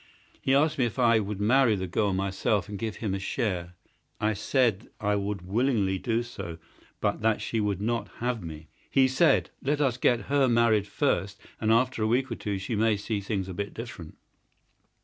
He asked me if I would marry the girl myself and give him a share. I said I would willingly do so, but that she would not have me. He said, 'Let us get her married first, and after a week or two she may see things a bit different.'